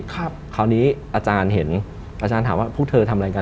คราวนี้อาจารย์เห็นอาจารย์ถามว่าพวกเธอทำอะไรกัน